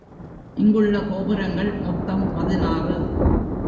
இங்குள்ள கோபுரங்கள் மொத்தம் பதினாறு.